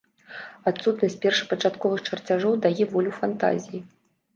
Адсутнасць першапачатковых чарцяжоў дае волю фантазіі.